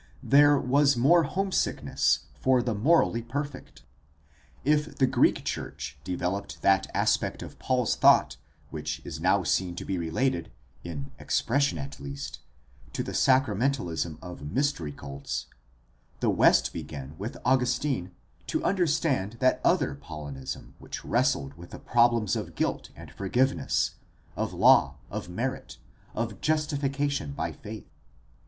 There was more homesickness for the morally perfect. If the Greek church developed that aspect of Paul's thought which is now seen to be related, in expression at least, to the sacramentalism of mystery cults, the West began with Augustine to understand that other Paulinism which wrestled with the problems of guilt and forgiveness, of law, of merit, of justification by faith.